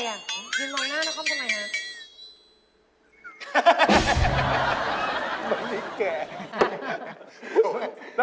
ยืนมองหน้านะค่อยมาดูใหม่นะ